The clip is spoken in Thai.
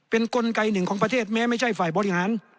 เป็นกลไกหนึ่งของประเทศแม้ไม่ใช่ฝ่ายบริหาร